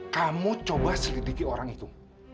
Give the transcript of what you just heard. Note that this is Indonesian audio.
kamu coba selidiki orang itu